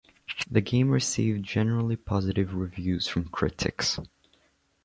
The game received generally positive reviews from critics.